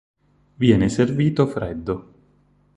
Viene servito freddo.